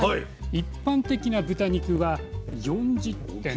一般的な豚肉は４０．６％。